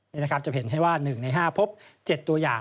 นี่นะครับจะเห็นให้ว่า๑ใน๕พบ๗ตัวอย่าง